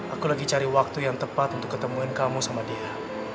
aku lagi cari waktu yang tepat untuk ketemuin kamu sama dia